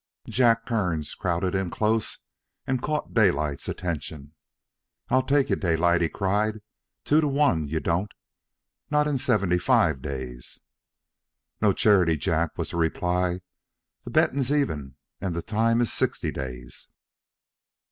Jack Kearns crowded in close and caught Daylight's attention. "I take you, Daylight," he cried. "Two to one you don't not in seventy five days." "No charity, Jack," was the reply. "The bettin's even, and the time is sixty days."